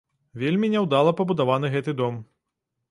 Вельмі няўдала пабудаваны гэты дом.